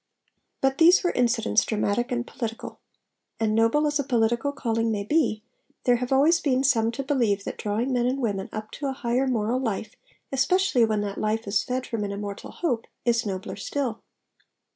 But these were incidents dramatic and political. And noble as a political calling may be, there have always been some to believe that drawing men and women up to a higher moral life, especially when that life is fed from an immortal hope, is nobler still.